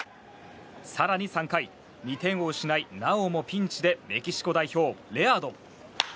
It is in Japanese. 更に３回、２点を失いなおもピンチでメキシコ代表、レアード。